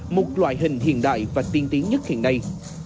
một loại hình hiện đại và tiên tiến nhất hiện nay